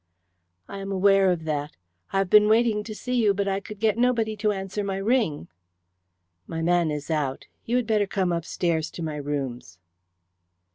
"I am aware of that. I have been waiting to see you, but I could get nobody to answer my ring." "My man is out. You had better come upstairs to my rooms."